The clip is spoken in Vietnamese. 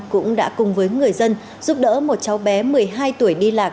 cũng đã cùng với người dân giúp đỡ một cháu bé một mươi hai tuổi đi lạc